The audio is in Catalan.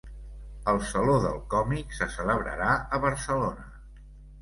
El Saló del Còmic se celebrarà a Barcelona.